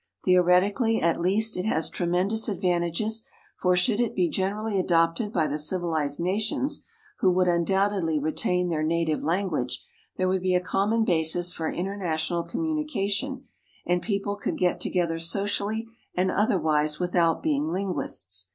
Theoretically, at least, it has tremendous advantages, for should it be generally adopted by the civilized nations, who would, undoubtedly, retain their native language, there would be a common basis for international communication, and people could get together socially and otherwise without being linguists.